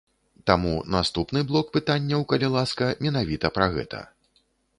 Таму наступны блок пытанняў, калі ласка, менавіта пра гэта.